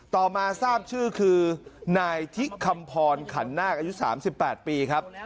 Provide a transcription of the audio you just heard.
ต่อมาทราบชื่อคือนายทิคำพรขันนาคอายุ๓๘ปีครับ